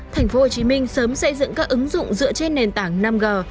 thành phố hồ chí minh sớm xây dựng các ứng dụng dựa trên nền tảng năm g